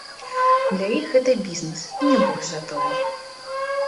Для іх гэта бізнес і не больш за тое.